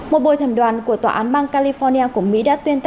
một bộ thẩm đoàn của tòa án bang california của mỹ đã tuyên bố